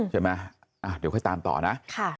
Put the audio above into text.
ใช่ไหมเดี๋ยวค่อยตามต่อนะ